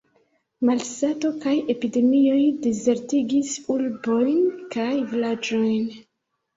Malsato kaj epidemioj dezertigis urbojn kaj vilaĝojn.